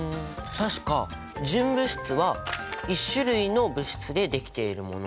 確か純物質は１種類の物質でできているもの。